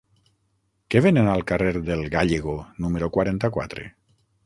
Què venen al carrer del Gállego número quaranta-quatre?